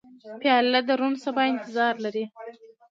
پیاله د روڼ سبا انتظار لري.